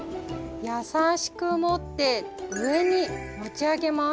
やさしく持ってうえに持ちあげます！